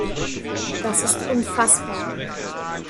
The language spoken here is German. Das ist unfassbar.